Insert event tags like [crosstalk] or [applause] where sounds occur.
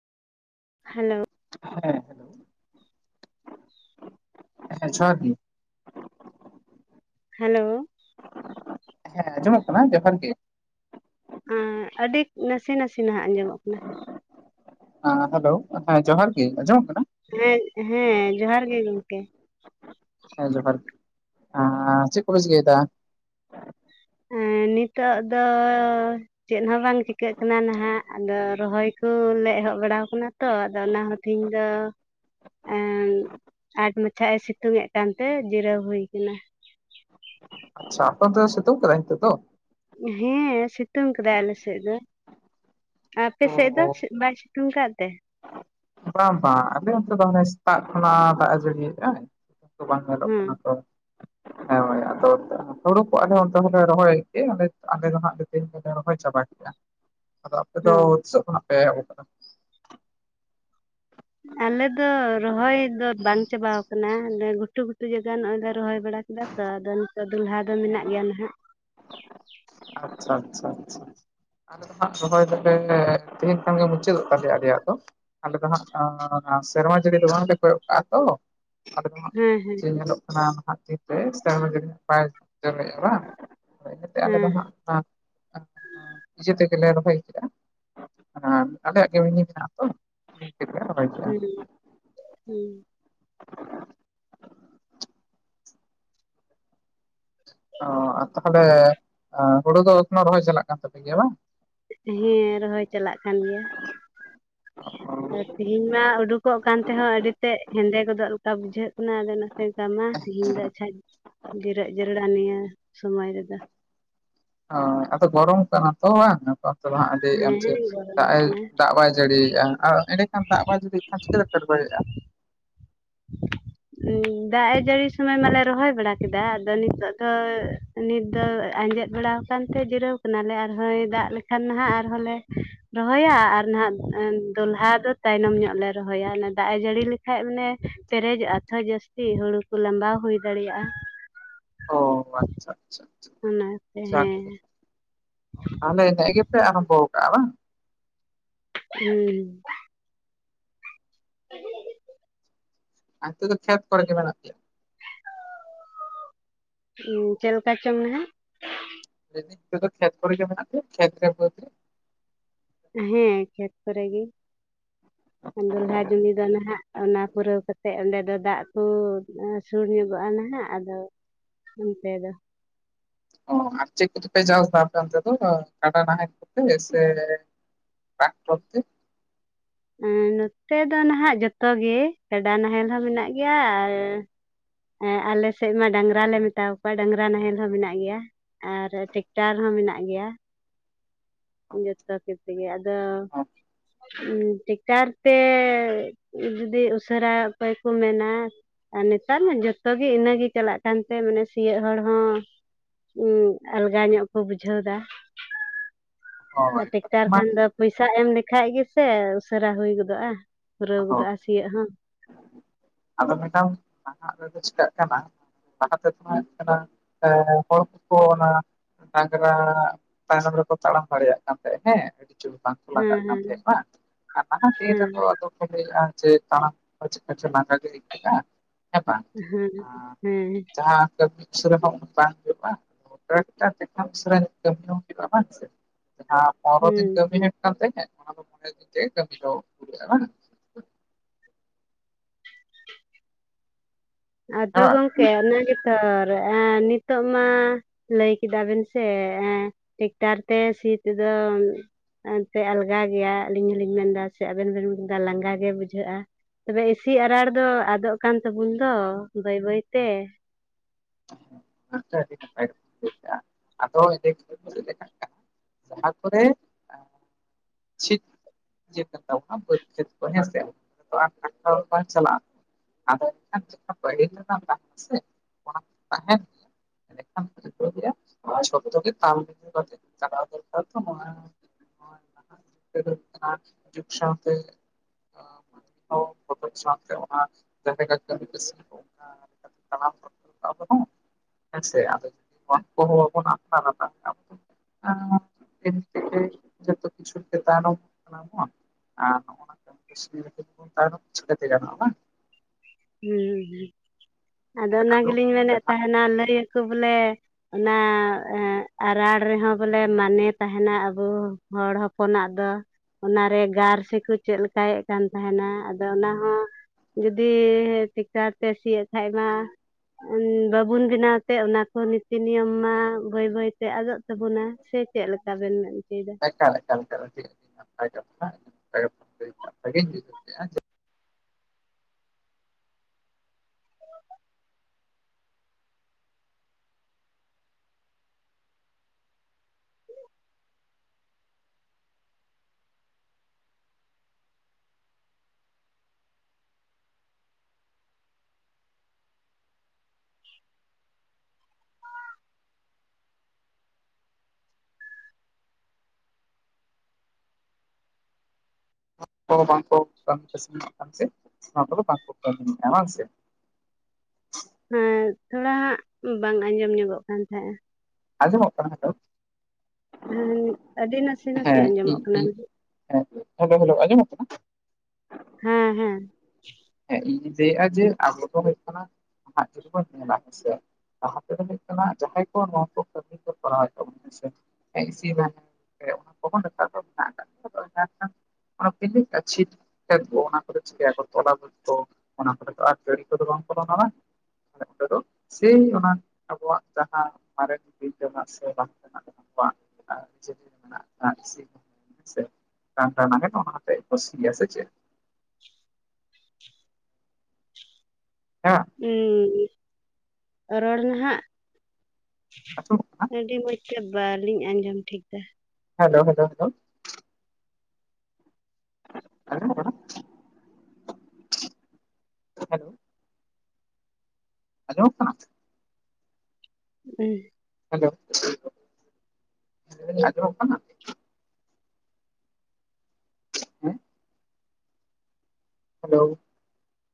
Hello ᱦᱮᱸ hello ᱦᱮᱸ ᱡᱚᱦᱟᱨ ᱜᱮ, ᱦᱮᱞᱳ ᱦᱮᱸ ᱟᱸᱡᱚᱢᱚᱜ ᱠᱟᱱᱟ ᱡᱚᱦᱟᱨ ᱜᱮ᱾ ᱟᱹᱰᱤ ᱱᱟᱥᱮ ᱱᱟᱥᱮ ᱱᱟᱦᱟᱜ ᱟᱸᱡᱚᱢᱚᱜ ᱠᱟᱱᱟ᱾ ᱦᱮ ᱦᱮᱞᱳ, ᱦᱮᱸ ᱡᱚᱦᱟᱨ ᱜᱮ ᱟᱸᱡᱚᱢᱚᱜ ᱠᱟᱱᱟ᱾ ᱦᱮᱸ ᱦᱮᱸ ᱡᱚᱦᱟᱨ ᱜᱮ ᱜᱚᱝᱠᱮ᱾ ᱦᱮᱸ ᱡᱚᱦᱟᱨ ᱜᱮ ᱪᱮᱫ ᱠᱚ ᱯᱮ ᱪᱤᱠᱟᱭ ᱫᱟ? ᱦᱮᱸ ᱱᱤᱛᱚᱜ ᱫᱚ ᱪᱮᱫ ᱦᱚᱸ ᱵᱟᱝ ᱪᱤᱠᱟᱹᱜ ᱠᱟᱱᱟ ᱱᱟᱦᱟᱜ? ᱟᱫᱚ ᱨᱚᱦᱚᱭ ᱠᱚᱞᱮ ᱮᱦᱚᱵ ᱵᱟᱲᱟᱟᱣ ᱟᱠᱟᱱᱟ᱾ ᱛᱚ ᱟᱫᱚ ᱚᱱᱟ ᱦᱚᱸ ᱛᱤᱦᱤᱧ ᱫᱚ ᱮᱸ ᱟᱸᱴ ᱢᱟᱪᱷᱟ ᱮ ᱥᱤᱛᱩᱝ ᱮᱫ ᱠᱟᱱᱛᱮ ᱡᱤᱨᱟᱹᱣ ᱦᱩᱭ ᱠᱟᱱᱟ᱾ ᱟᱪᱪᱷᱟ ᱟᱯᱮ ᱚᱱᱛᱮ ᱫᱚ ᱥᱤᱛᱩᱝ ᱠᱟᱫᱟᱭ ᱱᱤᱛᱚᱜ ᱫᱚ? ᱦᱮᱸ ᱥᱤᱛᱩᱝ ᱠᱮᱫᱟᱭ ᱟᱞᱮ ᱥᱮᱫ ᱫᱚ᱾ ᱟᱯᱮ ᱥᱮᱫ ᱫᱚ ᱵᱟᱭ ᱥᱤᱛᱩᱝ ᱠᱟᱫ ᱛᱮ? ᱵᱟᱝ ᱵᱟᱝ ᱟᱞᱮ ᱚᱱᱛᱮ ᱫᱚ ᱦᱟᱱᱮ ᱥᱮᱛᱟᱜ ᱠᱷᱚᱱᱟᱜ ᱫᱟᱜ ᱮ ᱡᱟᱹᱲᱤᱭᱮᱫᱼᱟ᱾ ᱵᱟᱝ ᱧᱮᱞᱚᱜ ᱦᱮᱸ ᱠᱟᱱᱟ ᱛᱚ᱾ ᱦᱳᱭ ᱦᱳᱭ ᱟᱫᱚ ᱦᱩᱲᱩ ᱠᱚ ᱟᱨᱦᱚᱸ ᱛᱟᱦᱩᱸᱜᱮ ᱨᱚᱦᱚᱭᱮᱫ ᱜᱮ, ᱟᱞᱮ ᱫᱚ ᱦᱟᱜ ᱛᱮᱦᱤᱧ ᱠᱚᱛᱮ ᱨᱚᱦᱚᱭ ᱪᱟᱵᱟᱭ᱾ ᱟᱫᱚ ᱟᱯᱮ ᱫᱚ ᱦᱮᱸ ᱛᱤᱥᱚᱜ ᱠᱷᱚᱱᱟᱜ ᱯᱮ ᱮᱦᱚᱵ ᱟᱠᱟᱫᱟ? ᱟᱞᱮ ᱫᱚ ᱨᱚᱦᱚᱭ ᱫᱚ ᱵᱟᱝ ᱪᱟᱵᱟ ᱟᱠᱟᱱᱟ᱾ ᱜᱷᱩᱴᱩ ᱜᱷᱩᱴᱩ ᱡᱟᱭᱜᱟ ᱱᱚᱜ-ᱚᱭ ᱞᱮ ᱨᱚᱦᱚᱭ ᱵᱟᱲᱟ ᱠᱮᱫᱟ᱾ ᱛᱚ ᱟᱫᱚ ᱱᱤᱛᱚᱜ ᱫᱚᱞᱦᱟ ᱫᱚ ᱢᱮᱱᱟᱜ ᱜᱮᱭᱟ ᱱᱟᱦᱟᱜ᱾ ᱟᱪᱪᱷᱟ ᱟᱪᱪᱷᱟ ᱟᱪᱪᱷᱟ ᱟᱞᱮ ᱫᱚ ᱦᱟᱜ ᱨᱚᱦᱚᱭ ᱫᱚᱞᱮ ᱛᱮᱦᱤᱧ ᱠᱷᱟᱱ ᱜᱮ ᱢᱩᱪᱟᱹᱫ ᱫᱚᱜ ᱛᱟᱞᱮᱭᱟ ᱟᱞᱮᱭᱟᱜ ᱫᱚ᱾ ᱟᱞᱮ ᱫᱚ ᱦᱟᱸᱜ ᱥᱮᱨᱢᱟ ᱡᱟᱹᱲᱤ ᱫᱚ ᱵᱟᱝᱞᱮ ᱠᱚᱭᱚᱜ ᱠᱟᱜᱼᱟ ᱛᱚ᱾ ᱟᱫᱚ ᱱᱚᱜ-ᱚᱭ ᱦᱮᱸ ᱦᱮᱸ ᱡᱮ ᱧᱮᱞᱚᱜ ᱠᱟᱱᱟ ᱱᱟᱦᱟᱜ ᱫᱤᱱᱨᱮ ᱥᱮᱨᱢᱟ ᱡᱟᱹᱨᱤ ᱵᱟᱭ ᱡᱚᱨᱚᱭᱮᱜᱼᱟ ᱵᱟᱝ᱾ ᱦᱳᱭ ᱱᱚᱛᱮ ᱟᱞᱮ ᱫᱚ ᱦᱮᱸ ᱦᱟᱸᱜ ᱠᱷᱟᱱ ᱤᱡᱮ ᱛᱮᱜᱮᱞᱮ ᱨᱚᱦᱚᱭ ᱠᱮᱫᱟ ᱟᱨ ᱟᱞᱮᱭᱟᱜ ᱜᱮ ᱢᱤᱱᱤ ᱢᱮᱱᱟᱜᱼᱟ ᱛᱚ᱾ ᱛᱤ ᱛᱮᱜᱮ ᱞᱮ ᱨᱚᱦᱚᱭ ᱠᱮᱜ-ᱟ᱾ ᱦᱩᱸ ᱚ ᱟᱨ ᱛᱟᱦᱚᱞᱮ ᱟ ᱦᱳᱲᱳ ᱫᱚ ᱮᱠᱷᱱᱚ ᱨᱚᱦᱚᱭ ᱪᱟᱞᱟᱜ ᱠᱟᱱ ᱛᱟᱯᱮ ᱜᱮᱭᱟ ᱵᱟᱝ? ᱦᱮᱸ ᱨᱚᱦᱚᱭ ᱪᱟᱞᱟᱜ ᱠᱟᱱ ᱜᱮᱭᱟ᱾ ᱟ ᱛᱤᱦᱤᱧ ᱢᱟ ᱩᱰᱩᱠᱚᱜ ᱠᱟᱱ ᱛᱮᱦᱚᱸ ᱟᱹᱰᱤ ᱛᱮᱫ ᱦᱮᱸᱫᱮ ᱜᱚᱫᱚᱜ ᱞᱮᱠᱟ ᱵᱩᱡᱷᱟᱹᱜ ᱠᱟᱱᱟ᱾ ᱟᱫᱚ ᱚᱱᱟ ᱦᱳᱭ ᱛᱟᱢᱟ, ᱛᱤᱦᱤᱧ ᱫᱚ ᱟᱪᱪᱷᱟᱧ ᱡᱤᱨᱟ. ᱜ ᱡᱮᱨᱮᱲᱟ ᱱᱤᱭᱟᱹ ᱥᱚᱢᱚᱭ ᱨᱮᱫᱚ᱾ ᱚ ᱟᱫᱚ ᱜᱚᱨᱚᱢ ᱠᱟᱱᱟ ᱛᱚ ᱵᱟᱝ᱾ ᱟᱫᱚ ᱛᱚ ᱦᱟᱸᱜ ᱟᱹᱰᱤ ᱮᱢᱪᱷᱮ ᱦᱮᱸ ᱜᱚᱨᱚᱢ ᱫᱟᱜ ᱮ ᱠᱟᱱᱟ ᱫᱟᱜ ᱵᱟᱭ ᱡᱟᱹᱲᱤᱭᱮᱜ-ᱟ ᱟᱨ ᱮᱸᱰᱮᱠᱷᱟᱱ ᱫᱟᱜ ᱵᱟᱭ ᱡᱟᱹᱲᱤ ᱟᱨ ᱪᱤᱠᱟᱹᱞᱮ ᱯᱮ ᱨᱚᱦᱚᱭᱮᱫᱼᱟ ᱫᱟᱜ ᱮ ᱡᱟᱹᱲᱤ ᱥᱚᱢᱚᱭ ᱢᱟᱞᱮ ᱨᱚᱦᱚᱭ ᱵᱟᱲᱟ ᱠᱮᱫᱟ ᱟᱫᱚ ᱱᱤᱛᱚᱜ ᱫᱚ ᱱᱤᱛ ᱫᱚ ᱟᱸᱡᱮᱫ ᱵᱟᱲᱟ ᱟᱠᱟᱱᱛᱮ ᱡᱤᱨᱟᱹᱣ ᱠᱟᱱᱟᱞᱮ ᱟᱨᱦᱚᱸᱭ ᱫᱟᱜ ᱞᱮᱠᱷᱟᱱ ᱦᱟᱸᱜ ᱟᱨᱦᱚᱸ ᱞᱮ ᱨᱚᱦᱚᱭᱟ ᱟᱨ ᱱᱟᱦᱟᱸᱜ ᱫᱚ ᱞᱟᱦᱟ ᱫᱚ ᱛᱟᱭᱱᱚᱢ ᱧᱚᱜ ᱞᱮ ᱨᱚᱦᱚᱭᱟ ᱫᱟᱜ ᱮ ᱡᱟᱹᱲᱤ ᱞᱮᱠᱷᱟᱡ ᱱᱮ ᱯᱮᱨᱮᱡᱚᱜᱼᱟ ᱛᱚ ᱡᱟᱹᱥᱛᱤ ᱦᱩᱲᱩ ᱠᱚ ᱞᱟᱸᱜᱟᱣ ᱦᱩᱭ ᱫᱟᱲᱮᱭᱟᱜᱼᱟ ᱚ ᱟᱪᱪᱷᱟ ᱟᱪᱪᱷᱟ ᱚᱱᱟ ᱛᱮ ᱦᱮᱸ ᱛᱟᱦᱞᱮ [unintelligible] ᱜᱮᱯᱮ ᱟᱨᱚᱢᱵᱚ ᱟᱠᱟᱫᱟ ᱵᱟᱝ ᱦᱩᱸ [unintelligible] [inaudible] ᱫᱚ ᱠᱷᱮᱛ ᱠᱚᱨᱮ ᱜᱮ ᱢᱮᱱᱟᱜ ᱯᱮᱭᱟ ᱪᱮᱫ ᱞᱮᱠᱟ ᱪᱚᱝ ᱢᱮᱱᱮᱜ ᱢᱮᱱ ᱫᱤᱧ ᱟᱯᱮ ᱫᱚ ᱠᱷᱮᱛ ᱠᱚᱨᱮᱜᱮ ᱢᱮᱱᱟᱜ ᱯᱮᱭᱟ ᱠᱷᱮᱛᱨᱮ ᱵᱟᱹᱫᱽ ᱨᱮ ᱦᱮᱸ ᱠᱷᱮᱛ ᱠᱚᱨᱮ ᱜᱮ ᱫᱚᱞᱦᱟ ᱡᱩᱢᱤ ᱫᱚ ᱱᱟᱦᱟᱸᱜ ᱚᱱᱟ ᱯᱩᱨᱟᱹᱣ ᱠᱟᱛᱮᱜ ᱚᱸᱰᱮ ᱫᱚ ᱫᱟᱜ ᱠᱚ ᱥᱩᱨ ᱧᱚᱸᱜᱚᱜᱼᱟ ᱱᱟᱦᱟᱸᱜ ᱟᱫᱚ ᱱᱚᱛᱮ ᱫᱚ ᱚ ᱟᱨ ᱪᱮᱫᱽ ᱠᱚᱫᱚ ᱯᱮ ᱪᱟᱥ ᱫᱟ ᱟᱯᱮ ᱚᱱᱛᱮ ᱫᱚ ᱚ ᱠᱟᱰᱟ ᱱᱟᱦᱮᱞ ᱠᱚᱛᱮ ᱥᱮ ᱴᱨᱟᱠᱴᱚᱨ ᱛᱮ ᱱᱚᱛᱮ ᱫᱚ ᱱᱟᱦᱟᱸᱜ ᱡᱷᱚᱛᱚ ᱜᱮ ᱠᱟᱰᱟ ᱱᱟᱦᱮᱞ ᱦᱚᱸ ᱢᱮᱱᱟᱜ ᱜᱮᱭᱟ ᱟᱨ ᱟᱞᱮ ᱥᱮᱫ ᱢᱟ ᱰᱟᱝᱨᱟ ᱞᱮ ᱢᱮᱛᱟᱣᱟ ᱠᱚᱣᱟ ᱰᱟᱝᱨᱟ ᱱᱟᱦᱮᱞ ᱦᱚᱸ ᱢᱮᱱᱟᱜ ᱜᱮᱭᱟ ᱟᱨ ᱴᱮᱠᱴᱟᱨ ᱦᱚᱸ ᱢᱮᱱᱟᱜ ᱜᱮᱭᱟ [inaudible] ᱛᱮᱜᱮ ᱟᱫᱚ ᱴᱮᱠᱴᱟᱨ ᱛᱮ ᱡᱩᱫᱤ ᱩᱥᱟᱹᱨᱟ ᱚᱠᱚᱭ ᱠᱚ ᱢᱮᱱᱟ ᱟᱨ ᱱᱮᱛᱟᱨ ᱢᱟ ᱡᱷᱚᱛᱚ ᱜᱮ ᱤᱱᱟᱹᱜᱮ ᱪᱟᱞᱟᱜ ᱠᱟᱱ ᱛᱮ ᱢᱟᱱᱮ ᱥᱤᱭᱚᱜ ᱦᱚᱲ ᱦᱚᱸ ᱟᱞᱜᱟ ᱧᱚᱜ ᱠᱚ ᱵᱩᱡᱷᱟᱹᱣ ᱫᱟ ᱟᱨ ᱦᱳᱭ ᱴᱮᱠᱴᱟᱨ ᱢᱟ ᱠᱷᱟᱱ ᱫᱚ ᱯᱩᱭᱥᱟ ᱮᱢ ᱞᱮᱠᱷᱟᱡ ᱜᱮᱥᱮ ᱩᱥᱟᱹᱨᱟ ᱦᱩᱭ ᱜᱚᱫᱚᱜᱼᱟ ᱯᱩᱨᱟᱹᱣ ᱦᱳᱭ ᱜᱚᱫᱚᱜᱼᱟ ᱥᱤᱭᱟᱹᱜ ᱦᱚᱸ ᱟᱫᱚ ᱢᱮᱰᱟᱢ ᱱᱟᱦᱟᱸᱜ ᱨᱮᱫᱚ ᱪᱤᱠᱟᱹᱜ ᱠᱟᱱᱟ ᱞᱟᱦᱟ ᱛᱮᱫᱚ ᱚᱱᱟ ᱦᱚᱲ ᱠᱚᱠᱚ ᱚᱱᱟ ᱰᱟᱝᱨᱟ ᱛᱟᱭᱱᱚᱢ ᱨᱮᱠᱚ ᱛᱟᱲᱟᱢ ᱫᱟᱲᱮᱭᱟᱜ ᱠᱟᱱ ᱛᱟᱦᱮᱸᱜ ᱦᱮᱸ [inaudible] [unintelligible] ᱵᱟᱝ ᱦᱮᱸ ᱦᱮᱸ ᱟᱨ ᱱᱟᱦᱟᱸᱜ ᱫᱤᱱ ᱦᱮᱸ ᱨᱮᱫᱚ ᱱᱤᱛᱚᱜ [unintelligible] ᱛᱟᱲᱟᱢ ᱦᱚᱸ ᱪᱮᱫᱽᱠᱟ ᱫᱚ ᱞᱟᱸᱜᱟ ᱜᱮ ᱟᱹᱭᱠᱟᱹᱜᱼᱟ ᱦᱮᱸ ᱵᱟᱝ ᱦᱮᱸ ᱦᱮᱸ ᱡᱟᱦᱟᱸ [inaudible] ᱩᱥᱟᱹᱨᱟ ᱵᱟᱝ ᱦᱩᱭᱩᱜᱼᱟ ᱟᱫᱚ ᱴᱨᱟᱠᱴᱚᱨ ᱛᱮ ᱠᱷᱟᱱ ᱩᱥᱟᱹᱨᱟ ᱧᱚᱜ ᱠᱟᱹᱢᱤ ᱦᱚᱸ ᱦᱩᱭᱩᱜᱼᱟ ᱵᱟᱝ ᱥᱮ [unintelligible] ᱯᱚᱱᱨᱚ ᱫᱤᱱ ᱦᱮᱸ ᱠᱟᱹᱢᱤ ᱦᱮᱸ ᱦᱩᱭᱩᱜ ᱠᱟᱱ ᱛᱟᱦᱮᱸ ᱚᱱᱟ ᱫᱚ [inaudible] ᱫᱤᱱ ᱛᱮᱜᱮ ᱠᱟᱹᱢᱤ ᱫᱚ ᱯᱩᱨᱟᱹᱜᱼᱟ ᱵᱟᱝ ᱦᱮᱸ ᱟᱫᱚ ᱵᱟᱝ ᱜᱚᱝᱠᱮ ᱚᱱᱟ ᱜᱮᱛᱚ ᱟᱨ ᱱᱤᱛᱚᱜ ᱢᱟ ᱞᱟᱹᱭ ᱠᱮᱫᱟ ᱵᱮᱱ ᱥᱮ ᱴᱮᱠᱴᱟᱨ ᱛᱮ ᱥᱤ ᱛᱮᱫᱚ ᱮᱱᱛᱮ ᱟᱞᱜᱟ ᱜᱮᱭᱟ ᱟᱹᱞᱤᱧ ᱦᱚᱞᱤᱧ ᱢᱮᱱ ᱮᱫᱟ ᱥᱮ ᱟᱵᱮᱱ ᱦᱚᱸᱵᱮᱱ ᱢᱮᱱ ᱮᱫᱟ ᱞᱟᱸᱜᱟ ᱜᱮ ᱵᱩᱡᱷᱟᱹᱜᱼᱟ ᱛᱚᱵᱮ ᱤᱥᱤ ᱟᱨᱟᱲ ᱫᱚ ᱟᱫᱚᱜ ᱠᱟᱱ ᱛᱟᱵᱚᱱ ᱫᱚ ᱵᱟᱹᱭ ᱵᱟᱹᱭᱛᱮ ᱦᱮᱸ ᱥᱮ ᱟᱹᱰᱤ ᱱᱟᱯᱟᱭ ᱜᱮᱢ ᱞᱟᱹᱭ ᱠᱟᱜᱼᱟ ᱟᱫᱚ [unintelligible] ᱡᱟᱦᱟᱸ ᱠᱚᱨᱮ ᱪᱷᱤᱛ ᱵᱟᱹᱫᱽ ᱠᱷᱮᱛ ᱠᱚ ᱦᱮᱸᱥᱮ [unintelligible] ᱪᱟᱞᱟᱜᱼᱟ ᱟᱫᱚ ᱮᱱᱠᱷᱟᱱ ᱡᱟᱦᱟᱸ ᱯᱟᱹᱦᱤᱞ ᱨᱮᱱᱟᱜ ᱫᱟᱜ ᱠᱚ ᱥᱮ ᱚᱱᱟ ᱠᱚ ᱛᱟᱦᱮᱱ ᱜᱮ [unintelligible] [unintelligible] ᱠᱟᱛᱮᱫ ᱪᱟᱞᱟᱣ ᱦᱩᱭ ᱞᱮᱱᱟ ᱛᱚ ᱱᱚᱣᱟ [unintelligible] ᱢᱤᱫ ᱥᱟᱶᱛᱮ ᱟᱲᱜᱚᱢ ᱚᱪᱚᱜ ᱥᱟᱣᱛᱮ ᱚᱱᱟ ᱫᱷᱟᱨᱮ [unintelligible] [unintelligible] [unintelligible] ᱟᱨ [unintelligible] ᱫᱤᱱ ᱛᱮᱜᱮ ᱡᱷᱚᱛᱚ ᱠᱤᱪᱷᱩ ᱪᱮᱛᱟᱱ [unintelligible] ᱠᱟᱱᱟ [unintelligible] ᱟᱨ ᱱᱚᱜ ᱚᱭ ᱱᱟ [unintelligible] ᱪᱤᱠᱟᱹ ᱛᱮ ᱜᱟᱱᱚᱜᱼᱟ ᱵᱟᱝ ᱦᱩᱸ ᱦᱩᱸ ᱦᱩᱸ ᱟᱫᱚ ᱦᱳᱭ ᱚᱱᱟ ᱜᱮᱞᱤᱧ ᱢᱮᱱᱮᱫ ᱡᱟᱦᱟᱸ ᱛᱟᱦᱮᱱᱟ ᱞᱟᱹᱭ ᱟᱠᱚ ᱵᱚᱞᱮ ᱚᱱᱟ ᱟᱨᱟᱲ ᱨᱮᱦᱚᱸ ᱵᱚᱞᱮ ᱢᱟᱱᱮ ᱛᱟᱦᱮᱱᱟ ᱟᱵᱚ ᱦᱚᱲ ᱦᱚᱯᱚᱱᱟᱜ ᱫᱚ ᱚᱱᱟᱨᱮ ᱜᱟᱨ ᱥᱮᱠᱚ ᱪᱮᱫ ᱞᱮᱠᱟᱭᱮᱫ ᱠᱟᱱ ᱛᱟᱦᱮᱱᱟ ᱟᱫᱚ ᱚᱱᱟ ᱦᱚᱸ ᱫᱤᱭᱮ ᱴᱮᱠᱴᱟᱨ ᱛᱮ ᱥᱤᱭᱮᱫ ᱠᱷᱟᱡ ᱢᱟ ᱵᱟᱵᱩᱱ ᱵᱮᱱᱟᱣ ᱛᱮ ᱚᱱᱟᱠᱚ ᱱᱤᱛᱤ ᱱᱤᱭᱚᱢ ᱢᱟ ᱵᱟᱹᱭ ᱵᱟᱹᱭ ᱛᱮ ᱟᱫᱚᱜ ᱥᱟ. ᱜᱩᱱᱟ ᱥᱮ ᱪᱮᱫ ᱞᱮᱠᱟ ᱵᱤᱱ ᱢᱮᱱ ᱚᱪᱚᱭᱮᱫᱟ᱾ ᱮᱠᱟᱞ ᱮᱠᱟᱞ ᱮᱠᱟᱞ ᱟᱹᱰᱤ ᱱᱟᱯᱟᱭ ᱠᱟᱛᱷᱟ [unintelligible] ᱵᱷᱟᱹᱜᱤᱧ ᱵᱩᱡᱷᱟᱹᱣ ᱠᱮᱫᱼᱟ ᱠᱚ ᱵᱟᱝᱠᱚ ᱠᱟᱹᱢᱤ ᱠᱟᱹᱥᱱᱤᱭᱮᱫ ᱠᱟᱱ ᱛᱮ ᱚᱱᱟ ᱠᱚᱫᱚ ᱵᱟᱝᱠᱚ ᱠᱟᱹᱢᱤᱭᱮᱫᱼᱟ ᱵᱟᱝ ᱥᱮ ᱦᱮᱸ ᱛᱷᱚᱲᱟ ᱦᱟᱸᱜ ᱵᱟᱝ ᱟᱸᱡᱚᱢ ᱧᱚᱜᱚᱜ ᱠᱟᱱ ᱛᱟᱦᱮᱸᱼᱟ ᱟᱸᱡᱚᱢᱚᱜ ᱠᱟᱱᱟ ᱱᱤᱛᱚᱜ᱾ ᱦᱮᱸ ᱟᱹᱰᱤ ᱱᱟᱥᱮ ᱱᱟᱥᱮ ᱦᱮᱸ ᱤᱧ ᱟᱸᱡᱚᱢᱚᱜ ᱠᱟᱱᱟ᱾ ᱤᱧ ᱦᱮᱸ ᱦᱮᱞᱳ ᱦᱮᱞᱳ ᱟᱸᱡᱚᱢᱚᱜ ᱠᱟᱱᱟ ᱦᱮᱸ ᱦᱮᱸ ᱦᱮᱸ ᱤᱧᱤᱧ ᱞᱟᱹᱭᱮᱜᱼᱟ ᱡᱮ ᱟᱵᱚ ᱫᱚ ᱦᱩᱭᱩᱜ ᱠᱟᱱᱟ ᱱᱟᱦᱟᱜ ᱡᱩᱫᱤ ᱵᱚᱱ ᱧᱮᱞᱟ ᱦᱮᱸᱥᱮ᱾ ᱞᱟᱦᱟ ᱛᱮᱫᱚ ᱦᱩᱭᱩᱜ ᱠᱟᱱᱟ ᱡᱟᱦᱟᱸᱭ ᱠᱚ ᱱᱚᱣᱟ ᱠᱚ ᱠᱟᱹᱢᱤ ᱠᱚ ᱠᱚᱨᱟᱣᱮᱫ ᱛᱟᱵᱚᱱᱟ ᱦᱮᱸᱥᱮ ᱤᱥᱤ [unintelligible] ᱚᱱᱟ [unintelligible] ᱚᱱᱟ ᱠᱚᱫᱚ ᱪᱤᱠᱟᱭᱟᱠᱚ ᱛᱚᱞᱟ ᱛᱚ ᱚᱱᱟ ᱠᱚᱨᱮ ᱫᱚ ᱟᱨ ᱜᱟᱹᱲᱤ ᱠᱚᱫᱚ ᱵᱟᱝ ᱯᱚᱞᱚᱱᱟᱱᱼᱟ ᱢᱮᱱᱛᱮ ᱫᱚ ᱥᱮᱭ ᱚᱱᱟ ᱟᱵᱚᱣᱟᱜ ᱡᱟᱦᱟᱸ ᱢᱟᱨᱮ ᱵᱤᱨ ᱨᱮᱱᱟᱜ ᱥᱮ ᱵᱟᱝ ᱛᱮ ᱟᱵᱚᱣᱟᱜ ᱟᱹᱨᱤᱪᱟᱹᱞᱤ ᱢᱮᱱᱟᱜ [unintelligible] [unintelligible] ᱦᱮᱸ ᱦᱩᱸ ᱨᱚᱲ ᱱᱟᱦᱟᱜ ᱟᱸᱡᱚᱢᱚᱜ ᱠᱟᱱᱟ ᱟᱹᱰᱤ ᱢᱚᱡᱽ ᱛᱮ ᱵᱟᱹᱞᱤᱧ ᱟᱸᱡᱚᱢ ᱴᱷᱤᱠ ᱮᱫᱟ ᱦᱮᱞᱳ ᱦᱮᱞᱳ ᱦᱮᱞᱳ ᱟᱸᱡᱚᱢᱚᱜ ᱠᱟᱱᱟ ᱦᱮᱞᱳ ᱟᱸᱡᱚᱢᱚᱜ ᱠᱟᱱᱟ ᱥᱮ ᱦᱮᱸ ᱦᱮᱞᱚ ᱟᱸᱡᱚᱢᱚᱜ ᱠᱟᱱᱟ᱾ ᱦᱮᱸ ᱦᱮᱞᱳ